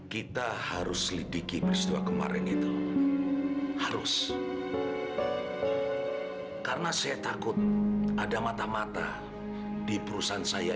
kita harus selidiki peristiwa kemarin itu harus karena saya takut ada mata mata di perusahaan saya